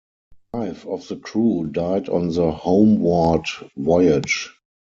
Five of the crew died on the homeward voyage.